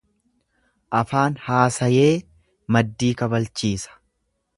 Afaan haasayee maddii kabalchiisa.